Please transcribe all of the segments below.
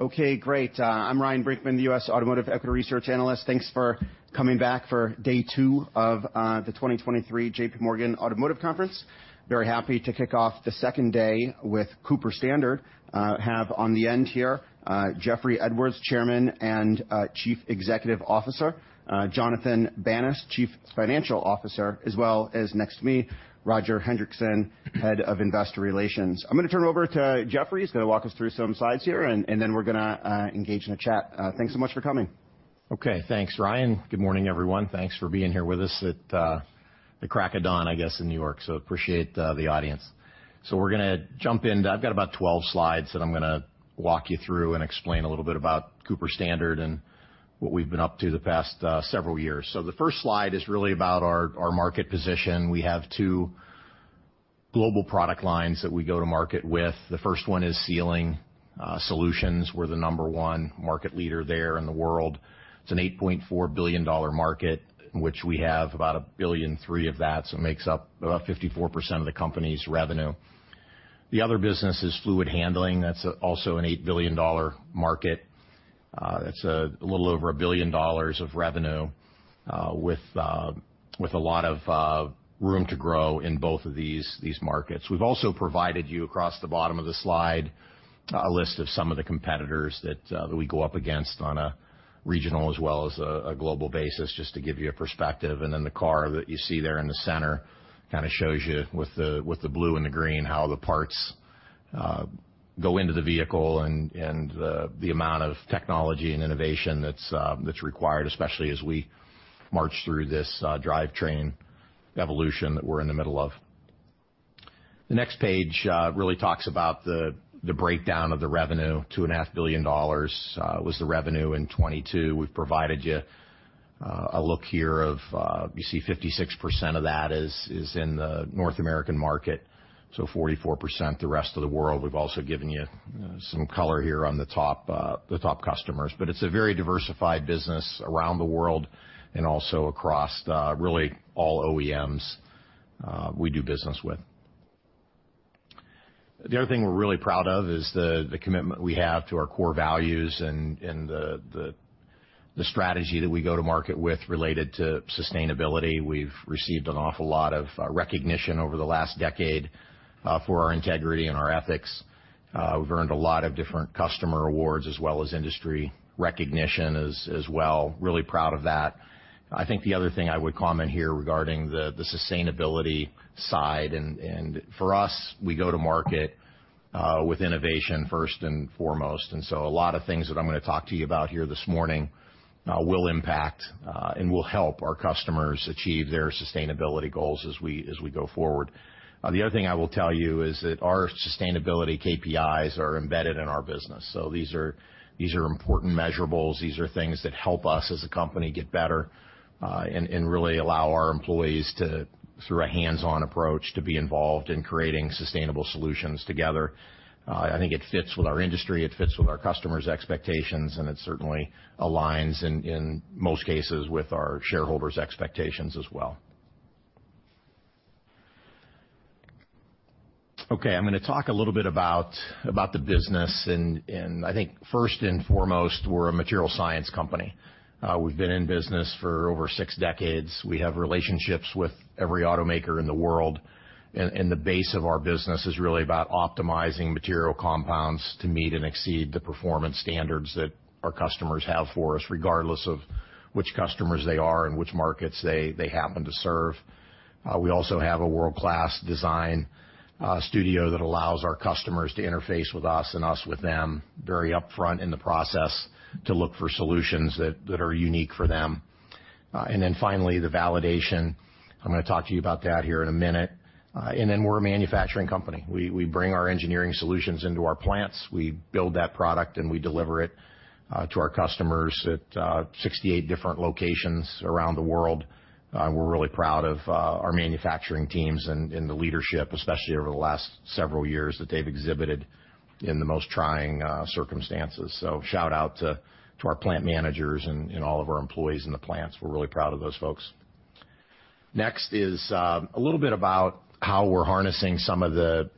Okay, great. I'm Ryan Brinkman, the U.S. Automotive Equity Research Analyst. Thanks for coming back for day two of the 2023 J.P. Morgan Automotive Conference. Very happy to kick off the second day with Cooper Standard. Have on the end here, Jeffrey Edwards, Chairman and Chief Executive Officer, Jonathan Banas, Chief Financial Officer, as well as next to me, Roger Hendriksen, Head of Investor Relations. I'm gonna turn it over to Jeffrey. He's gonna walk us through some slides here, then we're gonna engage in a chat. Thanks so much for coming. Okay. Thanks, Ryan. Good morning, everyone. Thanks for being here with us at the crack of dawn, I guess, in New York. Appreciate the audience. We're gonna jump in. I've got about 12 slides that I'm gonna walk you through and explain a little bit about Cooper Standard and what we've been up to the past several years. The first slide is really about our market position. We have two global product lines that we go to market with. The first one is sealing solutions. We're the number one market leader there in the world. It's an $8.4 billion market, in which we have about $1.3 billion of that. It makes up about 54% of the company's revenue. The other business is Fluid Handling. That's also an $8 billion market. That's a little over $1 billion of revenue, with a lot of room to grow in both of these, these markets. We've also provided you, across the bottom of the slide, a list of some of the competitors that we go up against on a regional as well as a global basis, just to give you a perspective. Then the car that you see there in the center kinda shows you with the blue and the green, how the parts go into the vehicle and the amount of technology and innovation that's required, especially as we march through this drivetrain evolution that we're in the middle of. The next page really talks about the breakdown of the revenue. $2.5 billion was the revenue in 2022. We've provided you a look here of. You see 56% of that is in the North American market, so 44%, the rest of the world. We've also given you some color here on the top, the top customers. It's a very diversified business around the world and also across really all OEMs we do business with. The other thing we're really proud of is the, the commitment we have to our core values and, and the, the, the strategy that we go to market with related to sustainability. We've received an awful lot of recognition over the last decade for our integrity and our ethics. We've earned a lot of different customer awards as well as industry recognition as well. Really proud of that. I think the other thing I would comment here regarding the, the sustainability side, and, and for us, we go to market with innovation first and foremost. A lot of things that I'm gonna talk to you about here this morning will impact and will help our customers achieve their sustainability goals as we, as we go forward. The other thing I will tell you is that our sustainability KPIs are embedded in our business, so these are, these are important measureables. These are things that help us, as a company, get better, and, and really allow our employees to, through a hands-on approach, to be involved in creating sustainable solutions together. I think it fits with our industry, it fits with our customers' expectations, and it certainly aligns in, in most cases, with our shareholders' expectations as well. Okay, I'm gonna talk a little bit about, about the business. I think first and foremost, we're a material science company. We've been in business for over six decades. We have relationships with every automaker in the world, the base of our business is really about optimizing material compounds to meet and exceed the performance standards that our customers have for us, regardless of which customers they are and which markets they, they happen to serve. We also have a world-class design, studio that allows our customers to interface with us and us with them, very upfront in the process, to look for solutions that, that are unique for them. Finally, the validation. I'm gonna talk to you about that here in a minute. We're a manufacturing company. We, we bring our engineering solutions into our plants. We build that product, we deliver it to our customers at 68 different locations around the world. We're really proud of our manufacturing teams and the leadership, especially over the last several years, that they've exhibited in the most trying circumstances. Shout out to our plant managers and all of our employees in the plants. We're really proud of those folks. Next is a little bit about how we're harnessing some of the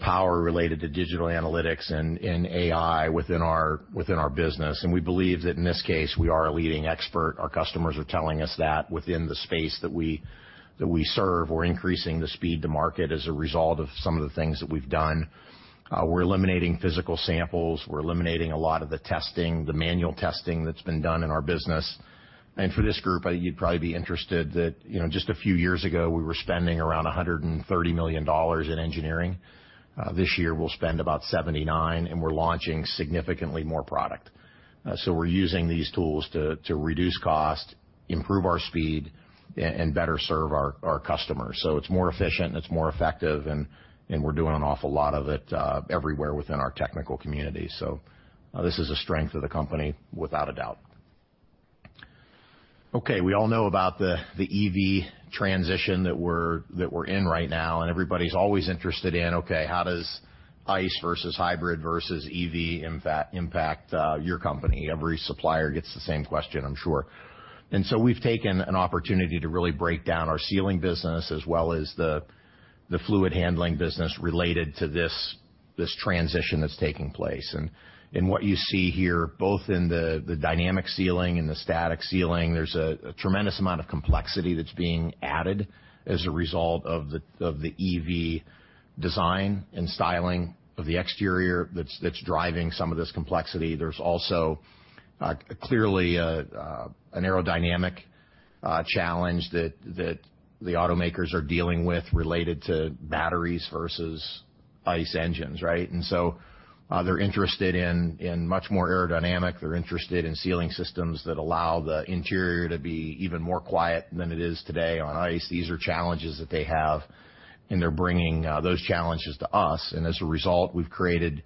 power related to digital analytics and AI within our business, we believe that in this case, we are a leading expert. Our customers are telling us that within the space that we serve, we're increasing the speed to market as a result of some of the things that we've done. We're eliminating physical samples. We're eliminating a lot of the testing, the manual testing that's been done in our business. For this group, I think you'd probably be interested that, you know, just a few years ago, we were spending around $130 million in engineering. This year we'll spend about $79 million, and we're launching significantly more product. We're using these tools to reduce cost, improve our speed, and better serve our customers. It's more efficient, it's more effective, and we're doing an awful lot of it everywhere within our technical community. This is a strength of the company, without a doubt. Okay, we all know about the EV transition that we're, that we're in right now, and everybody's always interested in: Okay, how does ICE versus hybrid versus EV impact, impact your company? Every supplier gets the same question, I'm sure. So we've taken an opportunity to really break down our sealing business as well as the Fluid Handling business related to this, this transition that's taking place. What you see here, both in the, the dynamic sealing and the static sealing, there's a, a tremendous amount of complexity that's being added as a result of the, of the EV design and styling of the exterior that's, that's driving some of this complexity. There's also clearly a an aerodynamic challenge that, that the automakers are dealing with related to batteries versus ICE engines, right? They're interested in, in much more aerodynamic. They're interested in sealing systems that allow the interior to be even more quiet than it is today on ICE. These are challenges that they have, and they're bringing, those challenges to us. As a result, we've created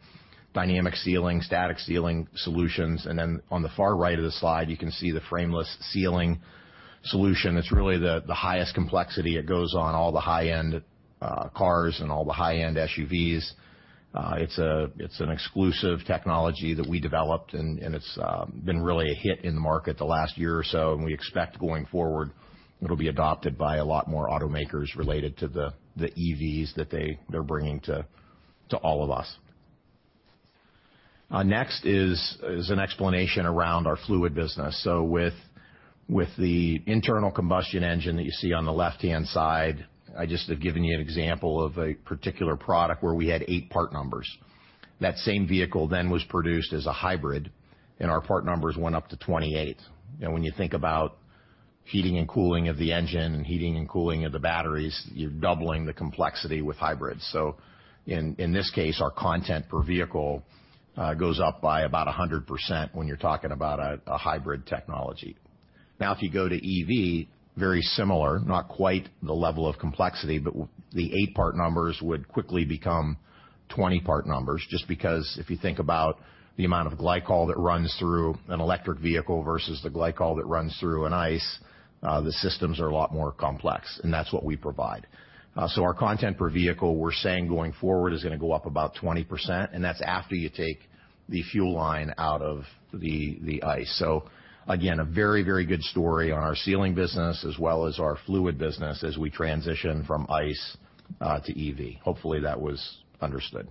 dynamic sealing, static sealing solutions. Then on the far right of the slide, you can see the Frameless Sealing solution. It's really the, the highest complexity. It goes on all the high-end cars and all the high-end SUVs. It's a, it's an exclusive technology that we developed, and, and it's been really a hit in the market the last year or so, and we expect going forward, it'll be adopted by a lot more automakers related to the, the EVs that they're bringing to, to all of us. Next is, is an explanation around our fluid business. With, with the internal combustion engine that you see on the left-hand side, I just have given you an example of a particular product where we had eight part numbers. That same vehicle then was produced as a hybrid, and our part numbers went up to 28. When you think about heating and cooling of the engine and heating and cooling of the batteries, you're doubling the complexity with hybrids. In, in this case, our content per vehicle goes up by about 100% when you're talking about a, a hybrid technology. If you go to EV, very similar, not quite the level of complexity, but the 8 part numbers would quickly become 20 part numbers, just because if you think about the amount of glycol that runs through an electric vehicle versus the glycol that runs through an ICE, the systems are a lot more complex, and that's what we provide. Our content per vehicle, we're saying, going forward, is gonna go up about 20%, and that's after you take the fuel line out of the, the ICE. Again, a very, very good story on our sealing business as well as our fluid business as we transition from ICE to EV. Hopefully, that was understood.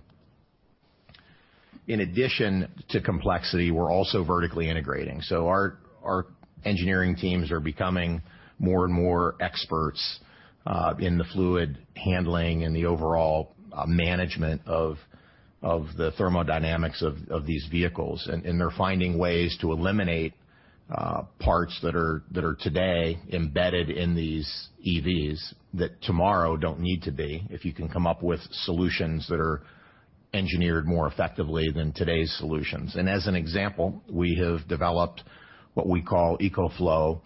In addition to complexity, we're also vertically integrating. Our, our engineering teams are becoming more and more experts in the Fluid Handling and the overall management of the thermodynamics of these vehicles. They're finding ways to eliminate parts that are today embedded in these EVs that tomorrow don't need to be, if you can come up with solutions that are engineered more effectively than today's solutions. As an example, we have developed what we call EcoFlow.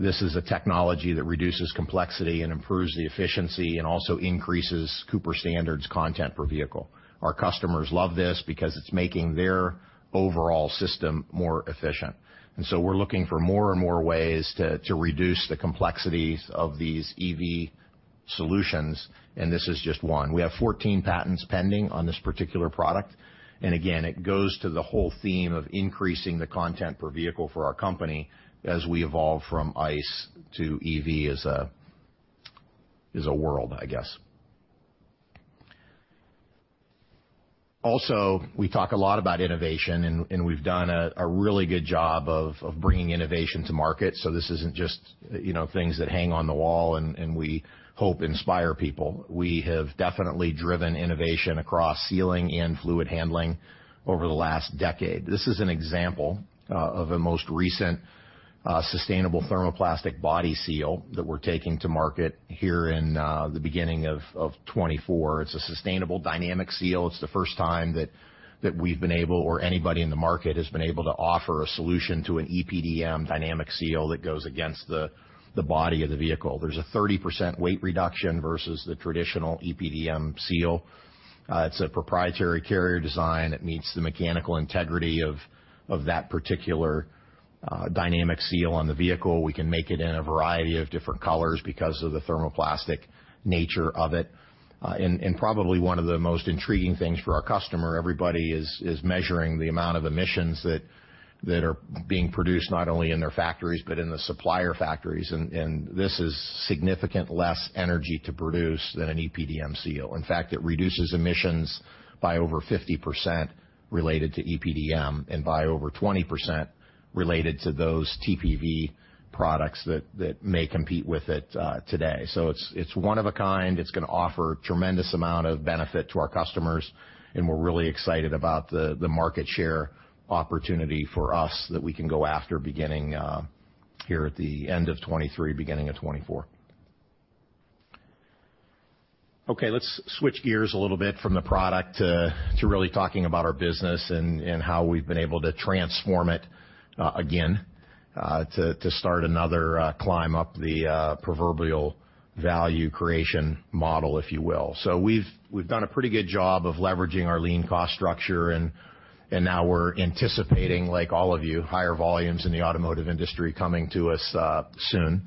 This is a technology that reduces complexity and improves the efficiency and also increases Cooper Standard's content per vehicle. Our customers love this because it's making their overall system more efficient. We're looking for more and more ways to reduce the complexities of these EV solutions, and this is just one. We have 14 patents pending on this particular product. Again, it goes to the whole theme of increasing the content per vehicle for our company as we evolve from ICE to EV as a world, I guess. Also, we talk a lot about innovation, and we've done a really good job of bringing innovation to market, so this isn't just, you know, things that hang on the wall and we hope inspire people. We have definitely driven innovation across sealing and Fluid Handling over the last decade. This is an example of a most recent sustainable thermoplastic body seal that we're taking to market here in the beginning of 2024. It's a sustainable dynamic seal. It's the first time that we've been able, or anybody in the market has been able to offer a solution to an EPDM Dynamic Seal that goes against the, the body of the vehicle. There's a 30% weight reduction versus the traditional EPDM seal. It's a proprietary carrier design. It meets the mechanical integrity of that particular dynamic seal on the vehicle. We can make it in a variety of different colors because of the thermoplastic nature of it. Probably one of the most intriguing things for our customer, everybody is, is measuring the amount of emissions that are being produced not only in their factories but in the supplier factories, and this is significant less energy to produce than an EPDM seal. In fact, it reduces emissions by over 50% related to EPDM and by over 20% related to those TPV products that, that may compete with it today. It's one of a kind. It's gonna offer a tremendous amount of benefit to our customers, and we're really excited about the market share opportunity for us that we can go after beginning here at the end of 2023, beginning of 2024. Okay, let's switch gears a little bit from the product to really talking about our business and how we've been able to transform it again to start another climb up the proverbial value creation model, if you will. We've, we've done a pretty good job of leveraging our lean cost structure, and, and now we're anticipating, like all of you, higher volumes in the automotive industry coming to us soon.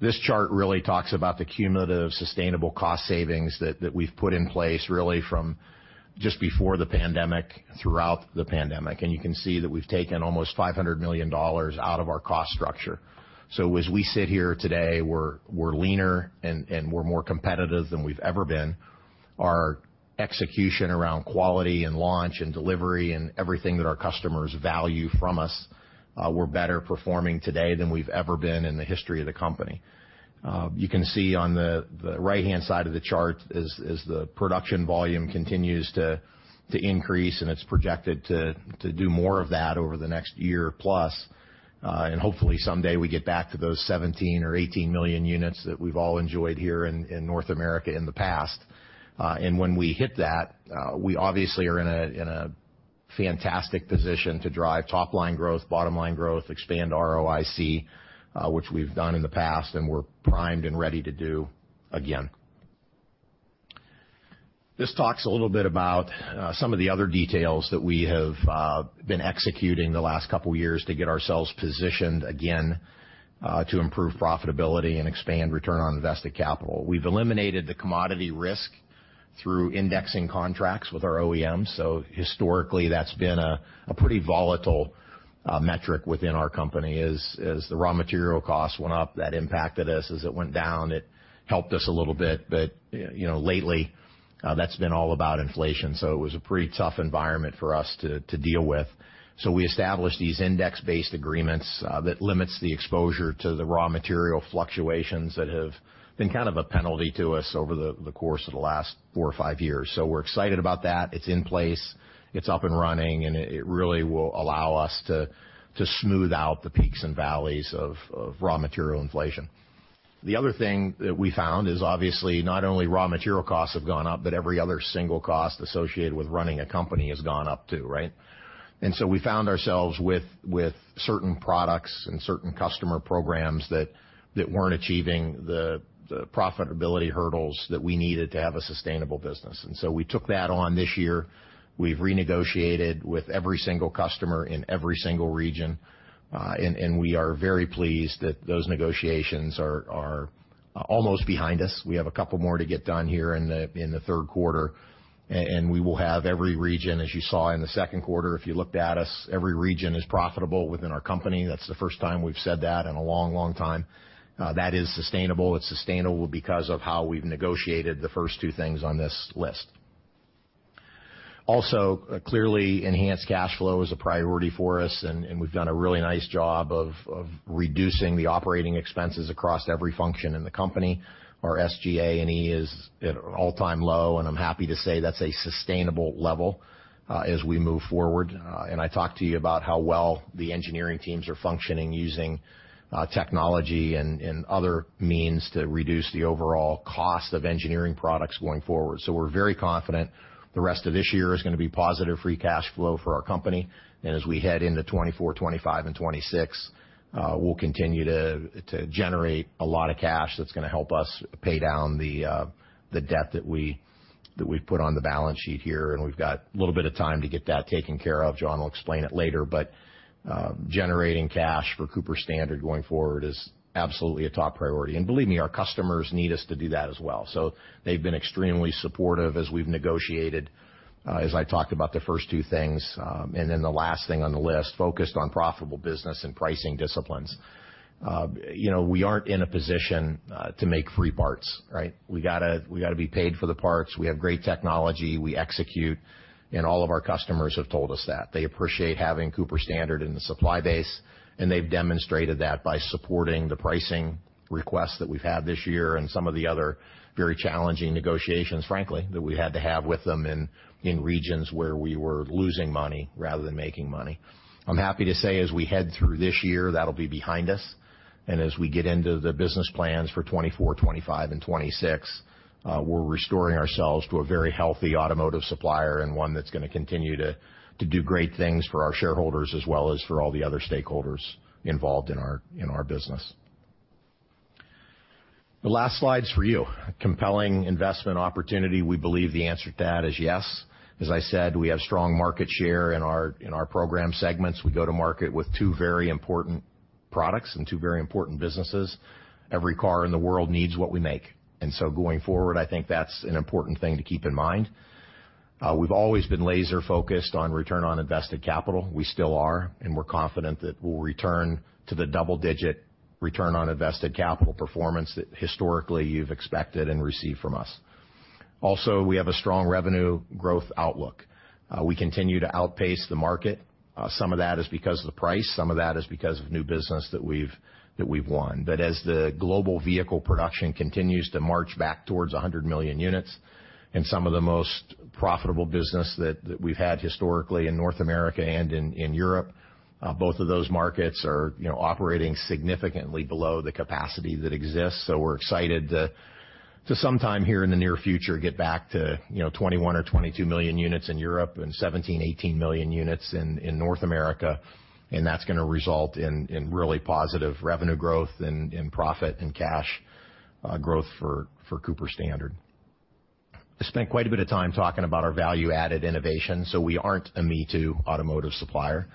This chart really talks about the cumulative sustainable cost savings that, that we've put in place, really from just before the pandemic, throughout the pandemic. You can see that we've taken almost $500 million out of our cost structure. As we sit here today, we're, we're leaner and, and we're more competitive than we've ever been. Our execution around quality and launch and delivery and everything that our customers value from us, we're better performing today than we've ever been in the history of the company. You can see on the, the right-hand side of the chart, as, as the production volume continues to, to increase, and it's projected to, to do more of that over the next year plus, and hopefully someday we get back to those 17 million or 18 million units that we've all enjoyed here in, in North America in the past. And when we hit that, we obviously are in a, in a fantastic position to drive top line growth, bottom line growth, expand ROIC, which we've done in the past, and we're primed and ready to do again. This talks a little bit about some of the other details that we have been executing the last couple of years to get ourselves positioned again to improve profitability and expand return on invested capital. We've eliminated the commodity risk through indexing contracts with our OEMs. Historically, that's been a, a pretty volatile metric within our company. As, as the raw material costs went up, that impacted us. As it went down, it helped us a little bit, but, you know, lately, that's been all about inflation, so it was a pretty tough environment for us to, to deal with. We established these index-based agreements that limits the exposure to the raw material fluctuations that have been kind of a penalty to us over the, the course of the last four or five years. We're excited about that. It's in place, it's up and running, and it, it really will allow us to, to smooth out the peaks and valleys of, of raw material inflation. The other thing that we found is obviously not only raw material costs have gone up, but every other single cost associated with running a company has gone up, too, right? We found ourselves with certain products and certain customer programs that weren't achieving the profitability hurdles that we needed to have a sustainable business. We took that on this year. We've renegotiated with every single customer in every single region, and we are very pleased that those negotiations are almost behind us. We have a couple more to get done here in the Q3, and we will have every region, as you saw in the Q2, if you looked at us, every region is profitable within our company. That's the first time we've said that in a long, long time. That is sustainable. It's sustainable because of how we've negotiated the first two things on this list. Also, clearly, enhanced cash flow is a priority for us, and we've done a really nice job of reducing the operating expenses across every function in the company. Our SGA&E is at an all-time low, and I'm happy to say that's a sustainable level as we move forward. I talked to you about how well the engineering teams are functioning using technology and other means to reduce the overall cost of engineering products going forward. We're very confident the rest of this year is gonna be positive free cash flow for our company. As we head into 2024, 2025, and 2026, we'll continue to, to generate a lot of cash that's gonna help us pay down the debt that we, that we've put on the balance sheet here, and we've got a little bit of time to get that taken care of. John will explain it later, but generating cash for Cooper Standard going forward is absolutely a top priority. Believe me, our customers need us to do that as well. They've been extremely supportive as we've negotiated, as I talked about the first two things, and then the last thing on the list, focused on profitable business and pricing disciplines. You know, we aren't in a position to make free parts, right? We gotta, we gotta be paid for the parts. We have great technology, we execute, and all of our customers have told us that. They appreciate having Cooper Standard in the supply base, and they've demonstrated that by supporting the pricing requests that we've had this year and some of the other very challenging negotiations, frankly, that we had to have with them in, in regions where we were losing money rather than making money. I'm happy to say, as we head through this year, that'll be behind us, and as we get into the business plans for 2024, 2025, and 2026, we're restoring ourselves to a very healthy automotive supplier and one that's gonna continue to, to do great things for our shareholders as well as for all the other stakeholders involved in our, in our business. The last slide's for you. Compelling investment opportunity. We believe the answer to that is yes. As I said, we have strong market share in our, in our program segments. We go to market with two very important products and two very important businesses. Every car in the world needs what we make, and so going forward, I think that's an important thing to keep in mind. We've always been laser-focused on return on invested capital. We still are, and we're confident that we'll return to the double-digit return on invested capital performance that historically you've expected and received from us. Also, we have a strong revenue growth outlook. We continue to outpace the market. Some of that is because of the price, some of that is because of new business that we've, that we've won. As the global vehicle production continues to march back towards 100 million units, and some of the most profitable business that, that we've had historically in North America and in, in Europe, both of those markets are, you know, operating significantly below the capacity that exists. We're excited to, to sometime here in the near future, get back to, you know, 21 or 22 million units in Europe and 17, 18 million units in, in North America, and that's gonna result in, in really positive revenue growth and, and profit and cash growth for Cooper Standard. I spent quite a bit of time talking about our value-added innovation, so we aren't a me-too automotive supplier.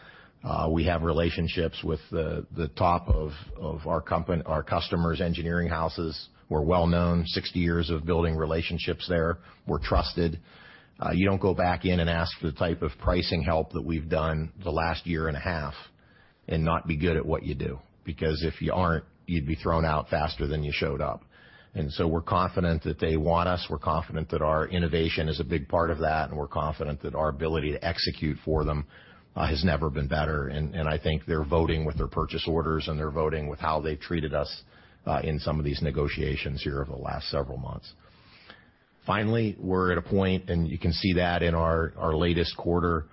We have relationships with the, the top of, of our company, our customers' engineering houses. We're well-known, 60 years of building relationships there. We're trusted. You don't go back in and ask for the type of pricing help that we've done the last year and a half, and not be good at what you do, because if you aren't, you'd be thrown out faster than you showed up. So we're confident that they want us. We're confident that our innovation is a big part of that, and we're confident that our ability to execute for them, has never been better. I think they're voting with their purchase orders, and they're voting with how they treated us in some of these negotiations here over the last several months. Finally, we're at a point, you can see that in our, our latest quarter,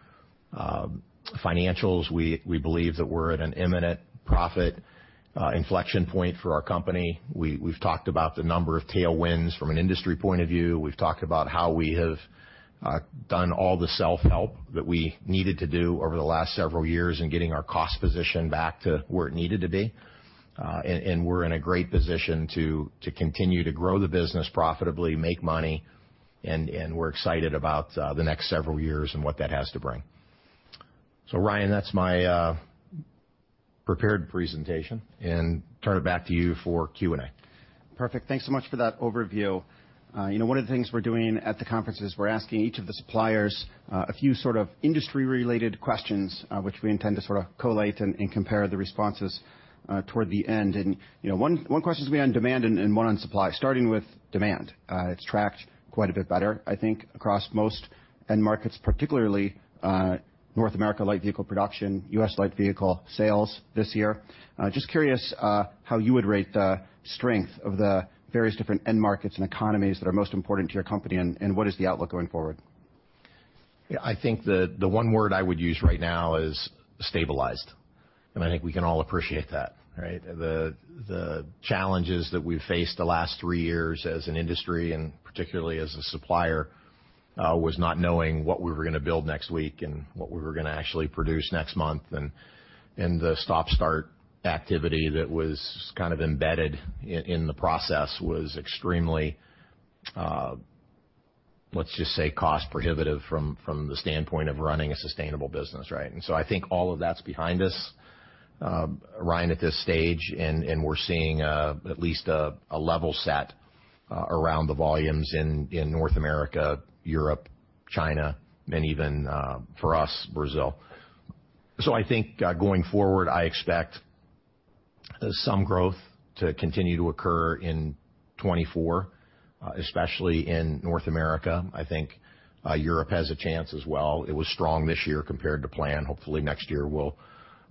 financials, we, we believe that we're at an imminent profit inflection point for our company. We've talked about the number of tailwinds from an industry point of view. We've talked about how we have done all the self-help that we needed to do over the last several years in getting our cost position back to where it needed to be. We're in a great position to, to continue to grow the business profitably, make money, and we're excited about the next several years and what that has to bring. Ryan, that's my prepared presentation, and turn it back to you for Q&A. Perfect. Thanks so much for that overview. you know, one of the things we're doing at the conference is we're asking each of the suppliers, a few sort of industry-related questions, which we intend to sort of collate and, and compare the responses, toward the end. you know, one, one question is gonna be on demand and, and one on supply. Starting with demand, it's tracked quite a bit better, I think, across most end markets, particularly, North America, light vehicle production, U.S. light vehicle sales this year. just curious, how you would rate the strength of the various different end markets and economies that are most important to your company, and, and what is the outlook going forward? Yeah, I think the one word I would use right now is stabilized, I think we can all appreciate that, right? The challenges that we've faced the last 3 years as an industry, and particularly as a supplier, was not knowing what we were gonna build next week and what we were gonna actually produce next month. The stop-start activity that was kind of embedded in the process was extremely, let's just say, cost prohibitive from the standpoint of running a sustainable business, right? I think all of that's behind us, Ryan, at this stage, and we're seeing a level set around the volumes in North America, Europe, China, and even for us, Brazil. I think, going forward, I expect some growth to continue to occur in 2024, especially in North America. I think, Europe has a chance as well. It was strong this year compared to plan. Hopefully, next year will,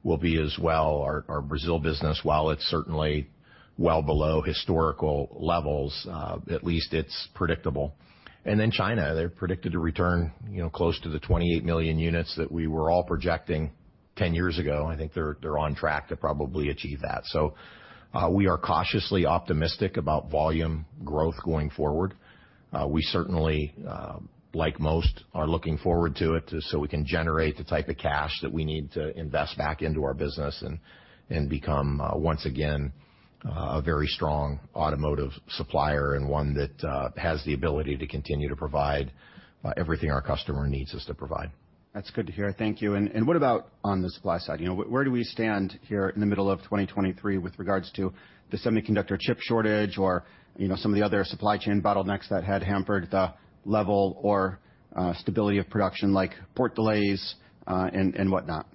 will be as well. Our, our Brazil business, while it's certainly well below historical levels, at least it's predictable. China, they're predicted to return, you know, close to the 28 million units that we were all projecting 10 years ago, and I think they're, they're on track to probably achieve that. We are cautiously optimistic about volume growth going forward. We certainly, like most, are looking forward to it, so we can generate the type of cash that we need to invest back into our business and, and become, once again, a very strong automotive supplier and one that has the ability to continue to provide everything our customer needs us to provide. That's good to hear. Thank you. What about on the supply side? You know, where do we stand here in the middle of 2023 with regards to the semiconductor chip shortage or, you know, some of the other supply chain bottlenecks that had hampered the level or stability of production, like port delays, and whatnot?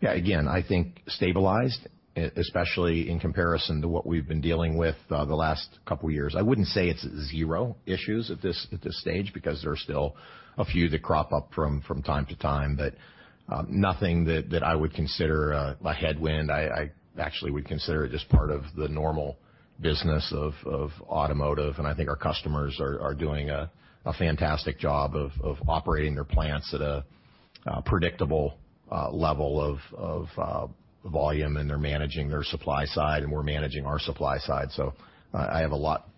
Yeah, again, I think stabilized, especially in comparison to what we've been dealing with, the last 2 years. I wouldn't say it's 0 issues at this stage, because there are still a few that crop up from, from time to time, but nothing that, that I would consider a headwind. I, I actually would consider it just part of the normal business of, of automotive, and I think our customers are, are doing a, a fantastic job of, of operating their plants at a predictable level of volume, and they're managing their supply side, and we're managing our supply side. I have a lot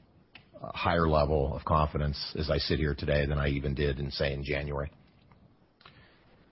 higher level of confidence as I sit here today than I even did in, say, in January.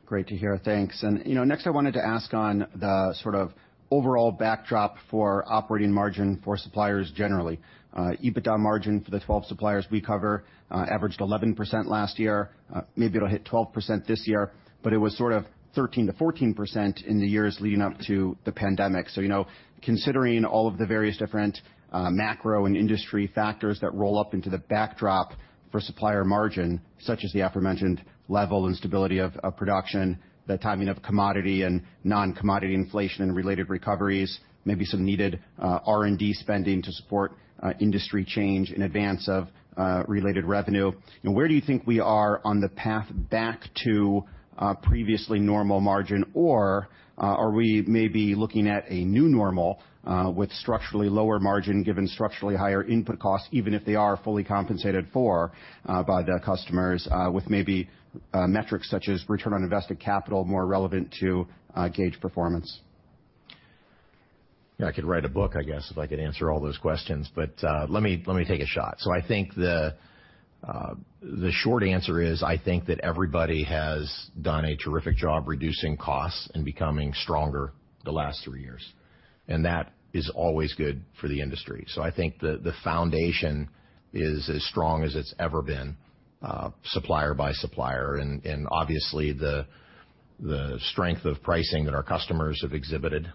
Great to hear. Thanks. You know, next, I wanted to ask on the sort of overall backdrop for operating margin for suppliers generally. EBITDA margin for the 12 suppliers we cover, averaged 11% last year. Maybe it'll hit 12% this year, but it was sort of 13%-14% in the years leading up to the pandemic. You know, considering all of the various different macro and industry factors that roll up into the backdrop for supplier margin, such as the aforementioned level and stability of, of production, the timing of commodity and non-commodity inflation and related recoveries, maybe some needed R&D spending to support industry change in advance of related revenue, you know, where do you think we are on the path back to previously normal margin? Are we maybe looking at a new normal with structurally lower margin, given structurally higher input costs, even if they are fully compensated for by the customers, with maybe metrics such as return on invested capital, more relevant to gauge performance? Yeah, I could write a book, I guess, if I could answer all those questions, but, let me, let me take a shot. I think the short answer is, I think that everybody has done a terrific job reducing costs and becoming stronger the last three years, and that is always good for the industry. I think the foundation is as strong as it's ever been, supplier by supplier. Obviously, the strength of pricing that our customers have exhibited,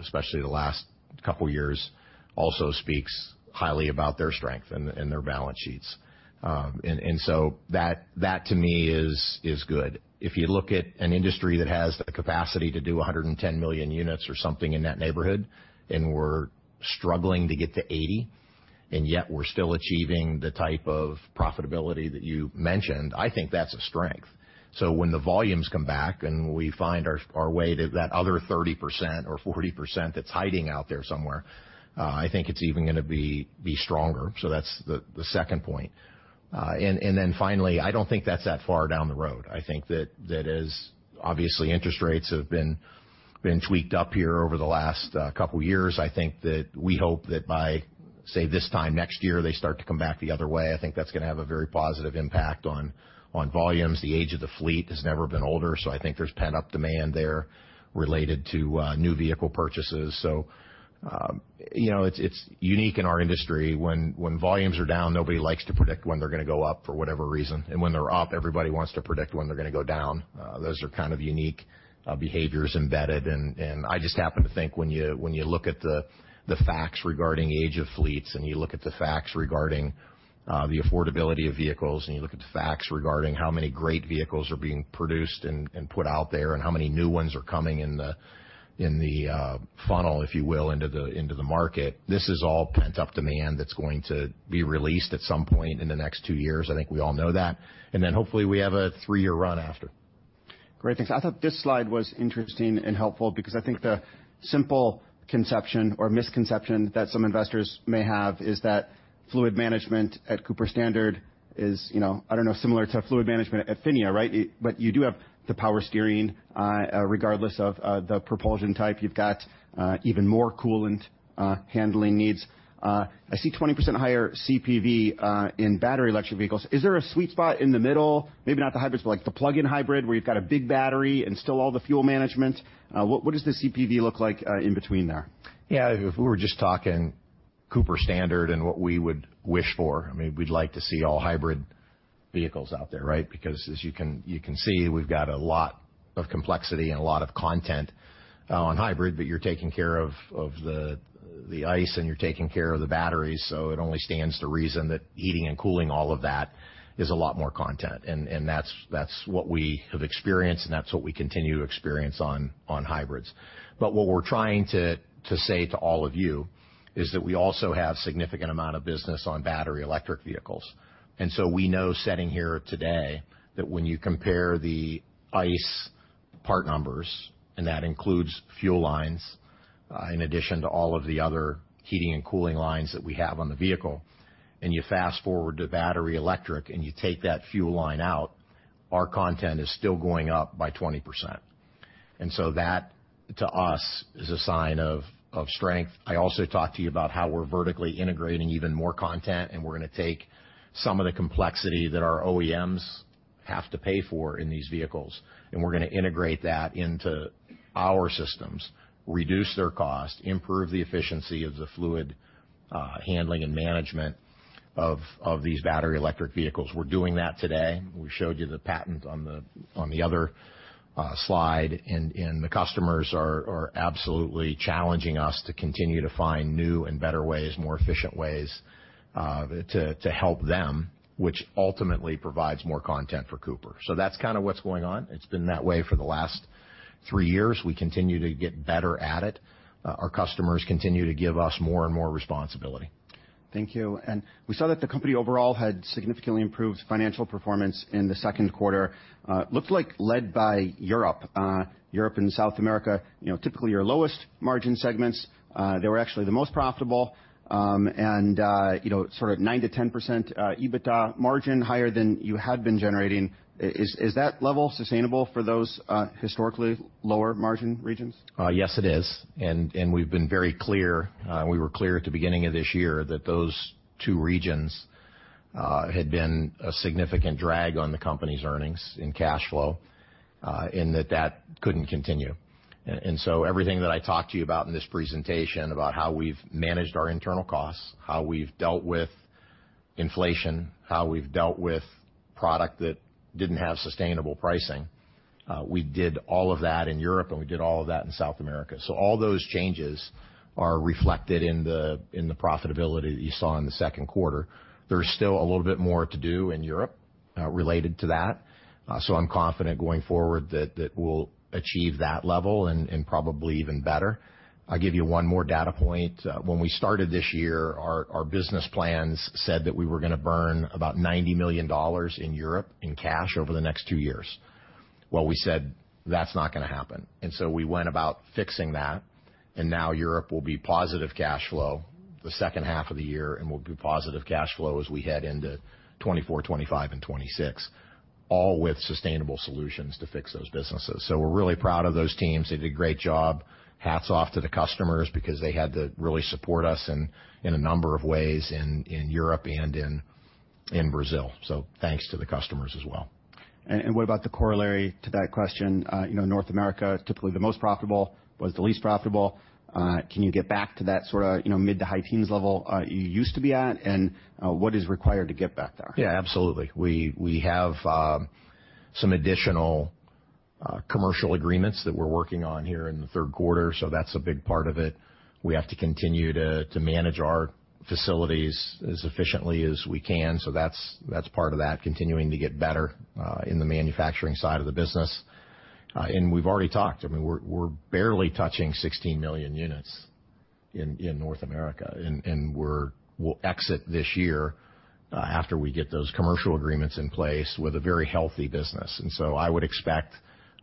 especially the last couple years also speaks highly about their strength and their balance sheets. So that, that to me is, is good. If you look at an industry that has the capacity to do 110 million units or something in that neighborhood, we're struggling to get to 80, yet we're still achieving the type of profitability that you mentioned, I think that's a strength. When the volumes come back, we find our way to that other 30% or 40% that's hiding out there somewhere, I think it's even gonna be stronger. That's the second point. Then finally, I don't think that's that far down the road. I think that as, obviously, interest rates have been tweaked up here over the last couple years, I think that we hope that by, say, this time next year, they start to come back the other way. I think that's gonna have a very positive impact on, on volumes. The age of the fleet has never been older, so I think there's pent-up demand there related to new vehicle purchases. You know, it's, it's unique in our industry when, when volumes are down, nobody likes to predict when they're gonna go up for whatever reason. When they're up, everybody wants to predict when they're gonna go down. Those are kind of unique behaviors embedded, and, and I just happen to think when you, when you look at the facts regarding age of fleets, and you look at the facts regarding the affordability of vehicles, and you look at the facts regarding how many great vehicles are being produced and, and put out there, and how many new ones are coming in the, in the funnel, if you will, into the, into the market, this is all pent-up demand that's going to be released at some point in the next 2 years. I think we all know that. Then, hopefully, we have a 3-year run after. Great, thanks. I thought this slide was interesting and helpful because I think the simple conception or misconception that some investors may have is that fluid management at Cooper Standard is, you know, I don't know, similar to fluid management at Phinia, right? You do have the power steering, regardless of the propulsion type. You've got even more coolant handling needs. I see 20% higher CPV in battery electric vehicles. Is there a sweet spot in the middle? Maybe not the hybrids, but like the Plug-in Hybrid, where you've got a big battery and still all the fuel management. What, what does the CPV look like in between there? Yeah, if we were just talking Cooper Standard and what we would wish for, I mean, we'd like to see all hybrid vehicles out there, right? Because as you can, you can see, we've got a lot of complexity and a lot of content on hybrid, but you're taking care of, of the, the ICE, and you're taking care of the batteries, so it only stands to reason that heating and cooling all of that is a lot more content. And that's, that's what we have experienced, and that's what we continue to experience on, on hybrids. What we're trying to, to say to all of you is that we also have significant amount of business on battery electric vehicles. We know sitting here today, that when you compare the ICE part numbers, and that includes fuel lines, in addition to all of the other heating and cooling lines that we have on the vehicle, and you fast-forward to battery electric, and you take that fuel line out, our content is still going up by 20%. That, to us, is a sign of, of strength. I also talked to you about how we're vertically integrating even more content, and we're gonna take some of the complexity that our OEMs have to pay for in these vehicles, and we're gonna integrate that into our systems, reduce their cost, improve the efficiency of the fluid, handling and management of, of these battery electric vehicles. We're doing that today. We showed you the patent on the other slide. The customers are absolutely challenging us to continue to find new and better ways, more efficient ways to help them, which ultimately provides more content for Cooper. That's kinda what's going on. It's been that way for the last three years. We continue to get better at it. Our customers continue to give us more and more responsibility. Thank you. We saw that the company overall had significantly improved financial performance in the Q2, looked like led by Europe. Europe and South America, you know, typically, your lowest margin segments, they were actually the most profitable, and, you know, sort of 9%-10% EBITDA margin, higher than you had been generating. Is, is that level sustainable for those historically lower margin regions? Yes, it is. And we've been very clear, we were clear at the beginning of this year, that those two regions had been a significant drag on the company's earnings and cash flow, and that that couldn't continue. Everything that I talked to you about in this presentation, about how we've managed our internal costs, how we've dealt with inflation, how we've dealt with product that didn't have sustainable pricing, we did all of that in Europe, and we did all of that in South America. All those changes are reflected in the, in the profitability that you saw in the Q2. There's still a little bit more to do in Europe related to that. I'm confident going forward, that, that we'll achieve that level and, and probably even better. I'll give you one more data point. When we started this year, our, our business plans said that we were gonna burn about $90 million in Europe in cash over the next two years. We said, "That's not gonna happen." We went about fixing that, and now Europe will be positive cash flow the second half of the year, and we'll be positive cash flow as we head into 2024, 2025, and 2026, all with sustainable solutions to fix those businesses. We're really proud of those teams. They did a great job. Hats off to the customers because they had to really support us in, in a number of ways in, in Europe and in, in Brazil. Thanks to the customers as well. And what about the corollary to that question? You know, North America, typically the most profitable, was the least profitable. Can you get back to that sort of, you know, mid to high teens level, you used to be at? What is required to get back there? Yeah, absolutely. We, we have some additional commercial agreements that we're working on here in the Q3, so that's a big part of it. We have to continue to manage our facilities as efficiently as we can, so that's, that's part of that, continuing to get better in the manufacturing side of the business. We've already talked, I mean, we're, we're barely touching 16 million units in North America, and we'll exit this year, after we get those commercial agreements in place, with a very healthy business. I would expect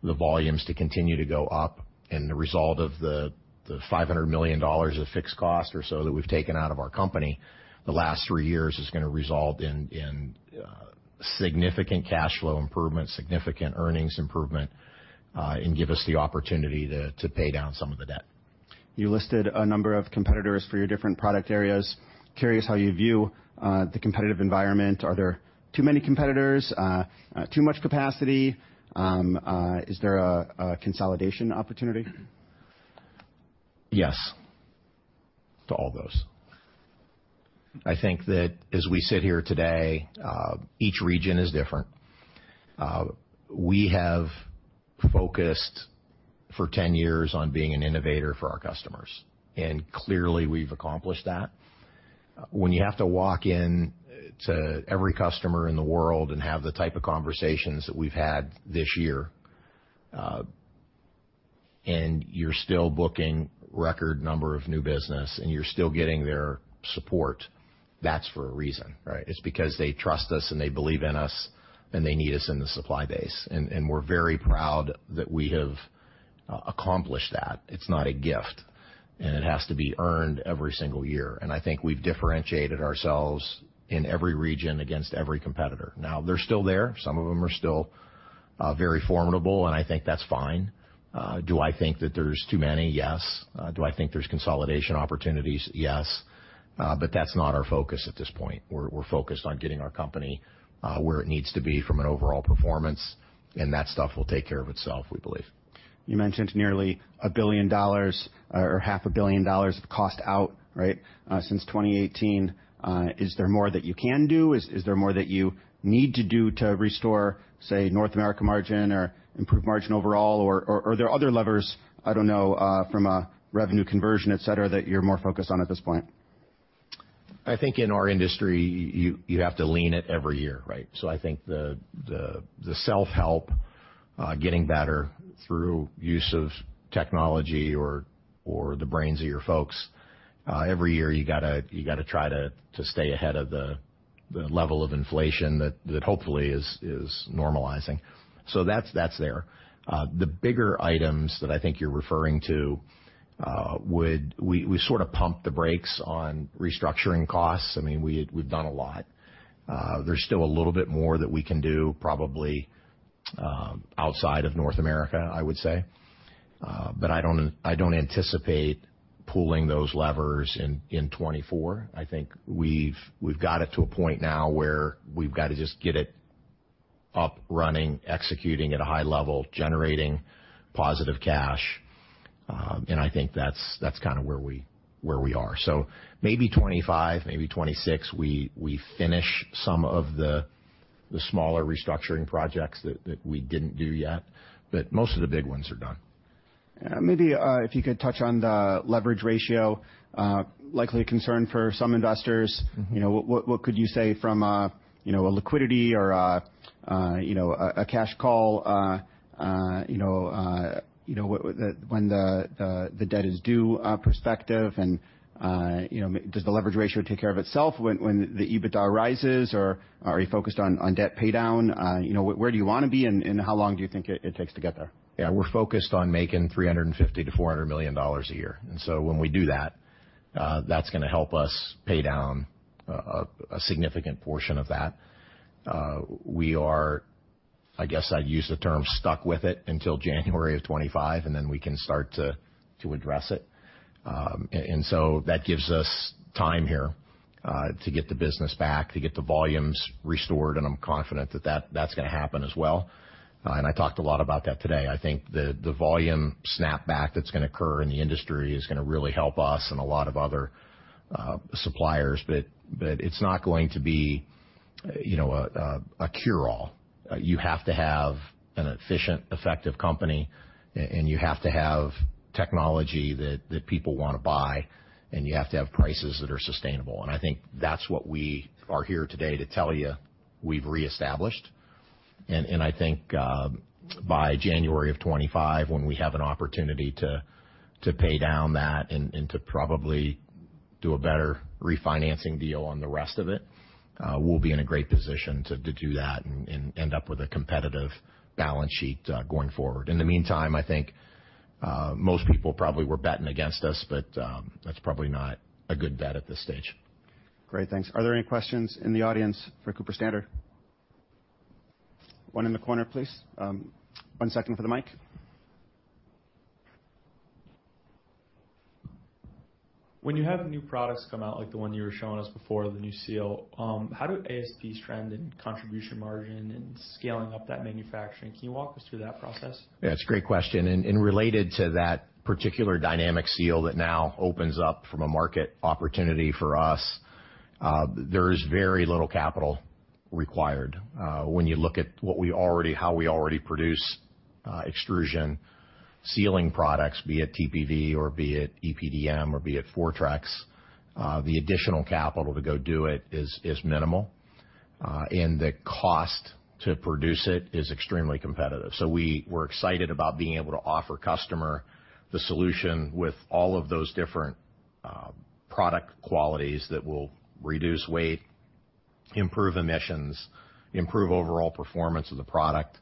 the volumes to continue to go up, and the result of the, the $500 million of fixed cost or so that we've taken out of our company the last 3 years, is gonna result in, in significant cash flow improvement, significant earnings improvement, and give us the opportunity to, to pay down some of the debt. You listed a number of competitors for your different product areas. Curious how you view the competitive environment. Are there too many competitors? too much capacity? is there a consolidation opportunity? Yes, to all those. I think that as we sit here today, each region is different. We have focused for 10 years on being an innovator for our customers, and clearly, we've accomplished that. When you have to walk in to every customer in the world and have the type of conversations that we've had this year, and you're still booking record number of new business, and you're still getting their support, that's for a reason, right? It's because they trust us, and they believe in us, and they need us in the supply base. We're very proud that we have accomplished that. It's not a gift, and it has to be earned every single year, and I think we've differentiated ourselves in every region against every competitor. Now, they're still there. Some of them are still very formidable, and I think that's fine. Do I think that there's too many? Yes. Do I think there's consolidation opportunities? Yes, but that's not our focus at this point. We're, we're focused on getting our company where it needs to be from an overall performance, and that stuff will take care of itself, we believe. You mentioned nearly $1 billion or $500 million of cost out, right, since 2018. Is there more that you can do? Is there more that you need to do to restore, say, North America margin or improve margin overall, or are there other levers, I don't know, from a revenue conversion, et cetera, that you're more focused on at this point? I think in our industry, you, you have to lean it every year, right? I think the, the, the self-help, getting better through use of technology or, or the brains of your folks, every year, you gotta, you gotta try to, to stay ahead of the, the level of inflation that, that hopefully is, is normalizing. That's, that's there. The bigger items that I think you're referring to, We, we sort of pumped the brakes on restructuring costs. I mean, we've done a lot. There's still a little bit more that we can do, probably, outside of North America, I would say. I don't, I don't anticipate pulling those levers in, in 2024. I think we've, we've got it to a point now where we've got to just get it up, running, executing at a high level, generating positive cash. I think that's, that's kind of where we, where we are. Maybe 2025, maybe 2026, we, we finish some of the, the smaller restructuring projects that, that we didn't do yet, but most of the big ones are done. Maybe, if you could touch on the leverage ratio, likely a concern for some investors. Mm-hmm. You know, what, what could you say from a, you know, a liquidity or a, you know, a, a cash call, you know, when the, the, the debt is due, perspective? You know, does the leverage ratio take care of itself when, when the EBITDA rises, or are you focused on, on debt paydown? You know, where do you wanna be, and, and how long do you think it, it takes to get there? Yeah, we're focused on making $350 million-$400 million a year, so when we do that, that's gonna help us pay down a, a significant portion of that. We are, I guess I'd use the term, stuck with it until January of 2025, and then we can start to, to address it. So that gives us time here, to get the business back, to get the volumes restored, and I'm confident that that's gonna happen as well. I talked a lot about that today. I think the, the volume snapback that's gonna occur in the industry is gonna really help us and a lot of other, suppliers, but, but it's not going to be, you know, a, a cure-all. You have to have an efficient, effective company, and, and you have to have technology that, that people wanna buy, and you have to have prices that are sustainable. I think that's what we are here today to tell you, we've reestablished. I think, by January of 2025, when we have an opportunity to, to pay down that and, and to probably do a better refinancing deal on the rest of it, we'll be in a great position to, to do that and, and end up with a competitive balance sheet, going forward. In the meantime, I think, most people probably were betting against us, but, that's probably not a good bet at this stage. Great, thanks. Are there any questions in the audience for Cooper Standard? One in the corner, please. one second for the mic. When you have new products come out, like the one you were showing us before, the new seal, how do ASPs trend in contribution margin and scaling up that manufacturing? Can you walk us through that process? Yeah, it's a great question. Related to that particular dynamic seal that now opens up from a market opportunity for us, there is very little capital required. When you look at how we already produce extrusion sealing products, be it TPV or be it EPDM or be it Fortrex, the additional capital to go do it is, is minimal, and the cost to produce it is extremely competitive. We're excited about being able to offer customer the solution with all of those different, product qualities that will reduce weight, improve emissions, improve overall performance of the product,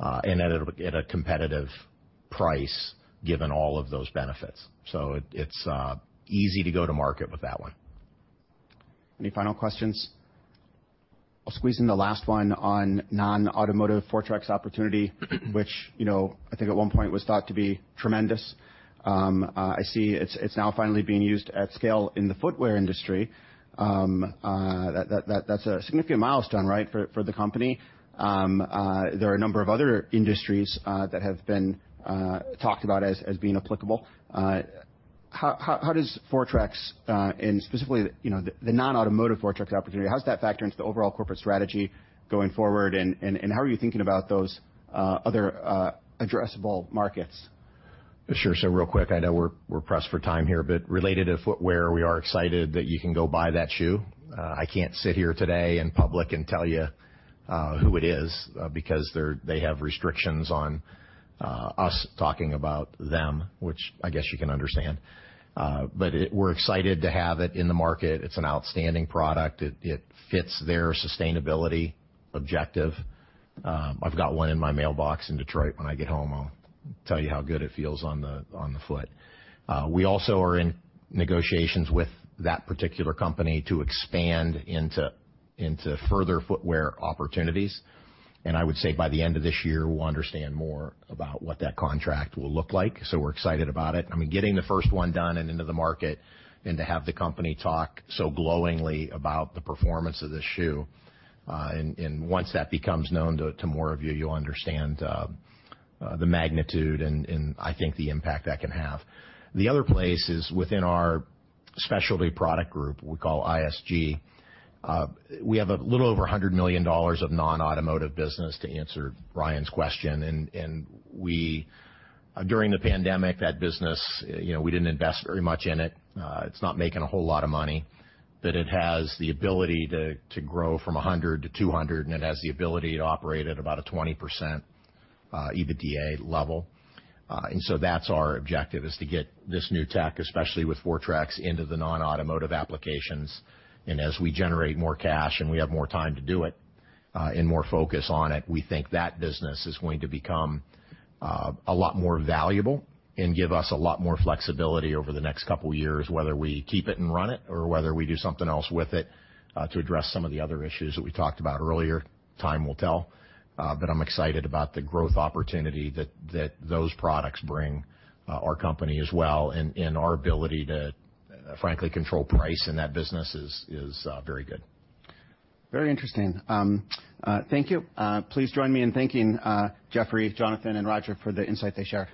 and at, at a competitive price, given all of those benefits. It's easy to go to market with that one. Any final questions? I'll squeeze in the last one on non-automotive Fortrex opportunity, which, you know, I think at one point was thought to be tremendous. I see it's, it's now finally being used at scale in the footwear industry. That, that, that's a significant milestone, right, for, for the company? There are a number of other industries, that have been, talked about as, as being applicable. How, how, how does Fortrex, and specifically, you know, the, the non-automotive Fortrex opportunity, how does that factor into the overall corporate strategy going forward, and, and, how are you thinking about those, other, addressable markets? Sure. Real quick, I know we're, we're pressed for time here, but related to footwear, we are excited that you can go buy that shoe. I can't sit here today in public and tell you who it is, because they have restrictions on us talking about them, which I guess you can understand. We're excited to have it in the market. It's an outstanding product. It, it fits their sustainability objective. I've got one in my mailbox in Detroit. When I get home, I'll tell you how good it feels on the, on the foot. We also are in negotiations with that particular company to expand into, into further footwear opportunities. I would say, by the end of this year, we'll understand more about what that contract will look like, so we're excited about it. I mean, getting the first one done and into the market, and to have the company talk so glowingly about the performance of the shoe, and once that becomes known to more of you, you'll understand the magnitude and, I think, the impact that can have. The other place is within our specialty product group we call ISG. We have a little over $100 million of non-automotive business, to answer Ryan's question, and we During the pandemic, that business, you know, we didn't invest very much in it. It's not making a whole lot of money, but it has the ability to grow from $100 million to $200 million, and it has the ability to operate at about a 20% EBITDA level. So that's our objective, is to get this new tech, especially with Fortrex, into the non-automotive applications. As we generate more cash and we have more time to do it, and more focus on it, we think that business is going to become, a lot more valuable and give us a lot more flexibility over the next couple of years, whether we keep it and run it, or whether we do something else with it, to address some of the other issues that we talked about earlier. Time will tell. I'm excited about the growth opportunity that, that those products bring, our company as well, and, and our ability to, frankly, control price in that business is, is very good. Very interesting. Thank you. Please join me in thanking Jeffrey, Jonathan, and Roger for the insight they shared.